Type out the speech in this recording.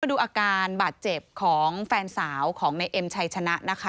ดูอาการบาดเจ็บของแฟนสาวของในเอ็มชัยชนะนะคะ